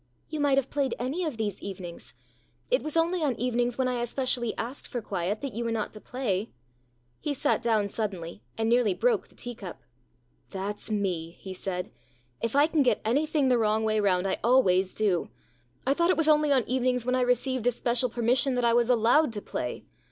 " You might have played any of these evenings. It was only on evenings when I especially asked for quiet that you were not to play." He sat down suddenly and nearly broke the tea cup THE DOLL 175 " That's me," he said. " If I can get anything the wrong way round I always do. I thought it was only on evenings when I received a special permission that I was allowed to play.